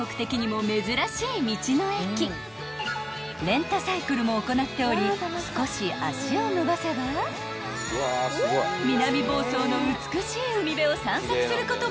［レンタサイクルも行っており少し足を延ばせば南房総の美しい海辺を散策することも可能］